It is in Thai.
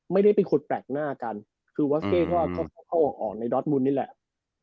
ไม่ได้เป็นคนแปลกหน้ากันคือวอสเต้ก็เอาออกในดอสมุนนี่แหละ